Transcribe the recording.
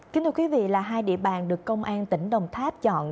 kính thưa quý vị là hai địa bàn được công an tỉnh đồng tháp chọn